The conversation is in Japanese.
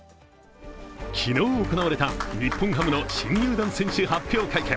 昨日行われた、日本ハムの新入団選手発表会見。